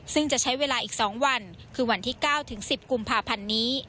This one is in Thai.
ซึ่งจะใช้เวลาอีก๒วันคือวันที่๙ถึง๑๐กุมภาพันธ์นี้